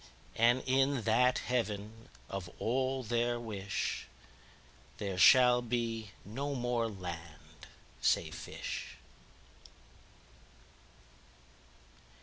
33And in that Heaven of all their wish,34There shall be no more land, say fish.